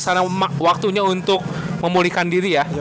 karena waktunya untuk memulihkan diri ya